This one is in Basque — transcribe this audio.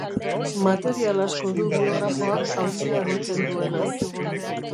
Material asko du biografoak Auzia deitzen duenaz.